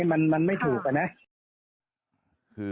มันไม่ถูก